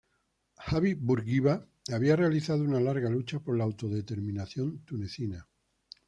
Habib Burguiba había realizado una larga lucha por la autodeterminación tunecina.